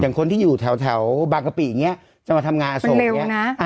อย่างคนที่อยู่แถวแถวบังกะปิอย่างเงี้ยจะมาทำงานอโศกอย่างเงี้ยมันเร็วน่ะ